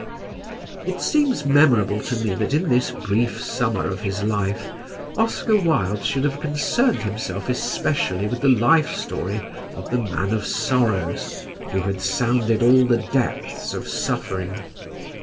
It seems memorable to me that in this brief summer of his life, Oscar Wilde should have concerned himself especially with the life story of the Man of Sorrows who had sounded all the depths of suffering.